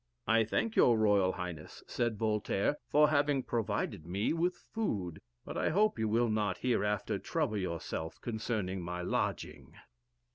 "I thank your royal highness," said Voltaire, "for having provided me with food; but I hope you will not hereafter trouble yourself concerning my lodging."